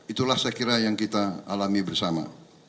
itulah saya kira yang kita alami bersama